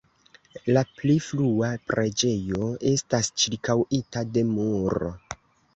La pli frua preĝejo estas ĉirkaŭita de muro.